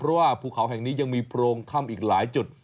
เพราะว่าภูเขาแห่งนี้ยังมีโพรงถ้ำอีกหลายจุด